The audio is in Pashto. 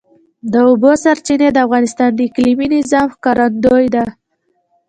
د اوبو سرچینې د افغانستان د اقلیمي نظام ښکارندوی ده.